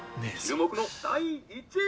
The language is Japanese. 注目の第１位。